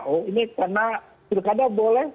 oh ini karena pilkada boleh